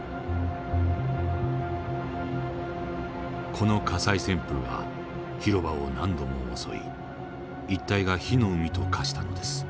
この火災旋風が広場を何度も襲い一帯が火の海と化したのです。